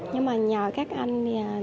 nhưng mà nhờ các anh